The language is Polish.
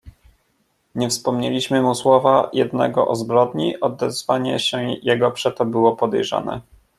"Nie wspomnieliśmy mu słowa jednego o zbrodni, odezwanie się jego przeto było podejrzane."